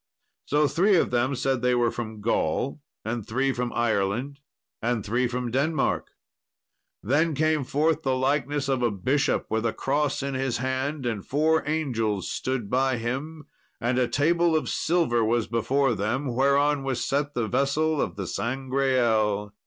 So three of them said they were from Gaul; and three from Ireland; and three from Denmark. Then came forth the likeness of a bishop, with a cross in his hand, and four angels stood by him, and a table of silver was before them, whereon was set the vessel of the Sangreal.